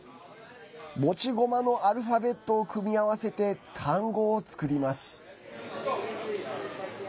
持ち駒のアルファベットを組み合わせて単語を作ります。